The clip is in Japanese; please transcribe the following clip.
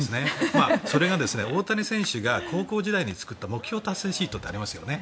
それが大谷選手が高校時代に作った目標達成シートってありますよね。